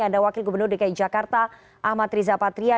ada wakil gubernur dki jakarta ahmad riza patria